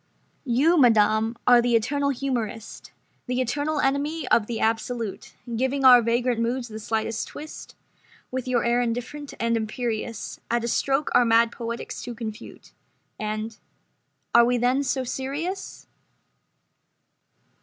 "You, madam, are the eternal humorist The eternal enemy of the absolute, Giving our vagrant moods the slightest twist With your air indifferent and imperious At a stroke our mad poetics to confute—" And—"Are we then so serious?"